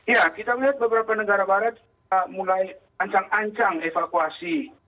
ya kita melihat beberapa negara barat mulai ancang ancang evakuasi